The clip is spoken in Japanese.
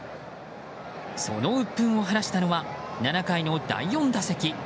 その鬱憤を晴らしたのは７回の第４打席。